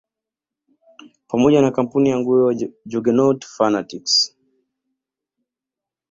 Pamoja na kampuni ya nguo ya Juggernaut fanatics